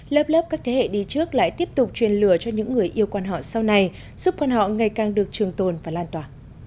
lớp lớp các thế hệ đi trước lại tiếp tục truyền lửa cho những người yêu quan họ sau này giúp con họ ngày càng được trường tồn và lan tỏa